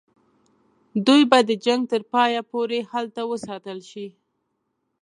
دوی به د جنګ تر پایه پوري هلته وساتل شي.